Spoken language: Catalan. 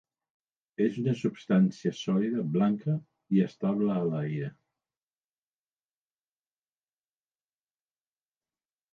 És una substància sòlida, blanca i estable a l'aire.